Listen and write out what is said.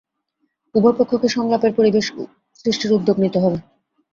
উভয় পক্ষকে সংলাপের পরিবেশ সৃষ্টির উদ্যোগ নিতে হবে।